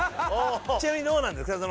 ちなみにどうなんですか？